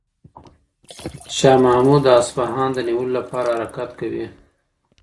شاه محمود د اصفهان د نیولو لپاره حرکت کوي.